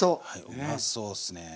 うまそうっすね。